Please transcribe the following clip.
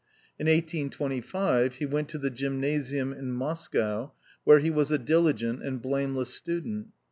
In 1825, he went to the Gymnasium in Moscow, where he was a diligent and blameless student.